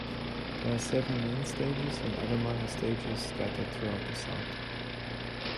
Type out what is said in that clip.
There are seven main stages and other minor stages scattered throughout the site.